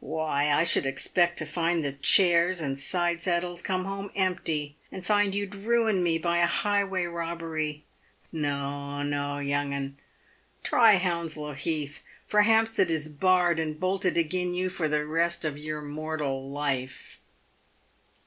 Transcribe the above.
"Why I should expect to find the chairs and side saddlea come home empty and find you'd ruined me by a highway robbery. No, no, young 'un, try Hounslow Heath, for Hampstead is barred and bolted agin you for the rest of your mortal life."